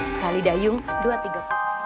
sekali dayung dua tiga